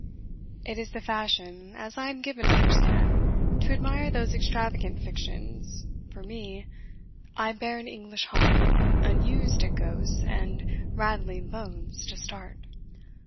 "It is the fashion, as I am given to understand, to admire those extravagant fictions for me, I bear an English heart, Unused at ghosts and rattling bones to start."